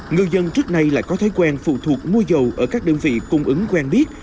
người dân trước nay lại có thói quen phụ thuộc mua dầu ở các đơn vị cung ứng quen biết